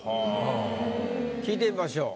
聞いてみましょう。